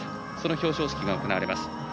表彰式が行われます。